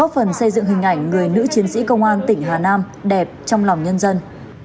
phần xây dựng hình ảnh người nữ chiến sĩ công an tỉnh hà nam đẹp trong lòng nhân dân